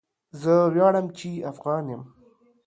زه وياړم چي افغان یم